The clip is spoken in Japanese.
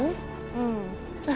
うん。